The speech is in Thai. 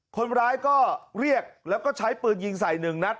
คนร้ายก็เรียกแล้วก็ใช้ปืนยิงใส่หนึ่งนัด